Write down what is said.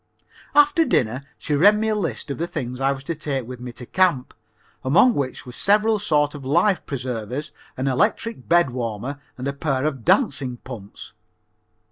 After dinner she read me a list of the things I was to take with me to camp, among which were several sorts of life preservers, an electric bed warmer and a pair of dancing pumps.